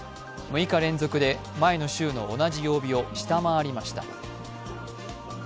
６日連続で前の週の同じ曜日を下回りました。